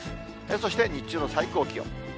そして日中の最高気温。